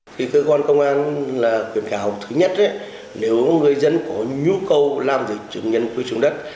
thì cơ quan công an là quyền khảo thứ nhất nếu người dân có nhu cầu làm gì chứng nhân quyền sử dụng đất